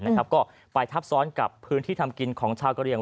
ก็ไปทับซ้อนกับพื้นที่ทำกินของชาวกะเรียง